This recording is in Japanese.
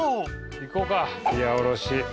いこうかひやおろし。